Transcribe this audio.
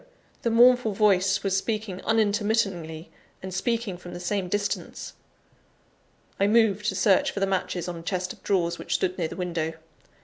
the mournful voice was speaking unintermittingly, and speaking from the same distance. I moved to search for the matches on a chest of drawers, which stood near the window.